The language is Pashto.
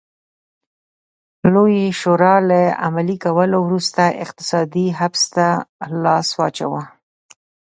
لویې شورا له عملي کولو وروسته اقتصادي حبس ته لاس واچاوه.